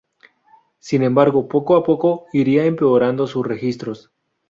Sin embargo, poco a poco iría empeorando sus registros.